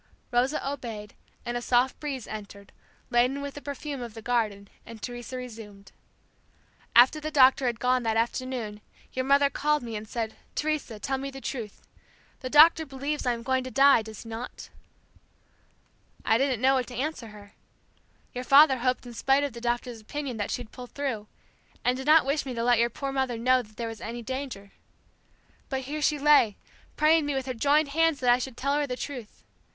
Rosa obeyed, and a soft breeze entered, laden with the perfume of the garden, and Teresa resumed; "After the doctor had gone that afternoon your mother called me and said, Teresa, tell me the truth. The doctor believes I am going to die; does he not?' I didn't know what to answer her. Your father hoped in spite of the doctor's opinion that she'd pull through, and did not wish me to let your poor mother know that there was any danger. But here she lay praying me with her joined hands that I should tell her the truth.